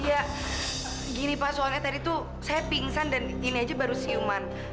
ya gini pak soalnya tadi tuh saya pingsan dan ini aja baru siuman